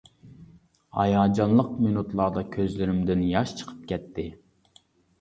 ھاياجانلىق مىنۇتلاردا كۆزلىرىمدىن ياش چىقىپ كەتتى!